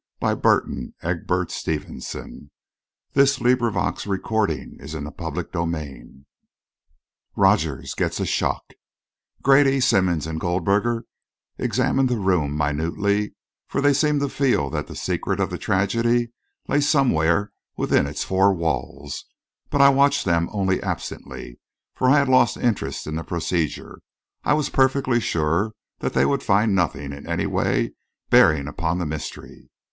For there, I felt certain, lay the clue to the mystery! CHAPTER VII ROGERS GETS A SHOCK Grady, Simmonds and Goldberger examined the room minutely, for they seemed to feel that the secret of the tragedy lay somewhere within its four walls; but I watched them only absently, for I had lost interest in the procedure. I was perfectly sure that they would find nothing in any way bearing upon the mystery.